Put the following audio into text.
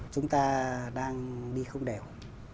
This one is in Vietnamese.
chúng ta đang đi không đều